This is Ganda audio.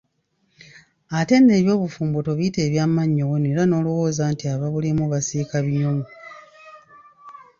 Ate nno eby'obufumbo tobiyita bya mannyo wenu era n'olowooza nti ababulimu basiika binyomo!